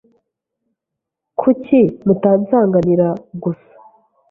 Kuki mutansanganira gusa?